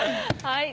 はい。